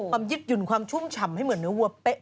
ยึดหยุ่นความชุ่มฉ่ำให้เหมือนเนื้อวัวเป๊ะ